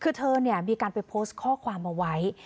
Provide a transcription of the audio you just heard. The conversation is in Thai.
คือเธอมีการไปโพสต์ข้อความเอาไว้